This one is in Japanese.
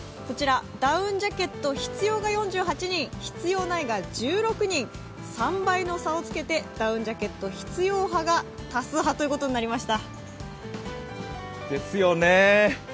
ダウンジャケット必要が４８人、必要ないが１６人、３倍の差をつけてダウンジャケット必要派が多数派ということになりました。